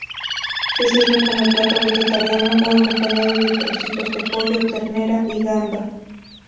Se sirven como plato vegetariano o acompañado de trocitos de pollo, ternera y gamba.